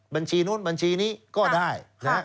บัญชีนี้ก็ได้